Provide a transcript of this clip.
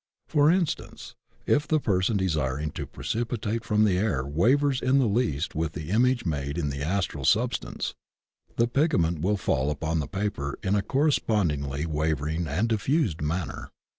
For instance, if the person desiring to^ precipitate from the air wavers in the least with the image made in the Astral substance, the pig ment will fall upon the paper in a correspondingly wavering and diffused manner.